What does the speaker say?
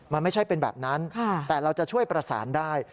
มันไม่ใช่เป็นแบบนั้นแต่เราจะช่วยประสานได้